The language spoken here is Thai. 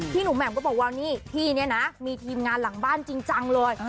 หนุ่มแหม่มก็บอกว่านี่ที่นี่นะมีทีมงานหลังบ้านจริงจังเลย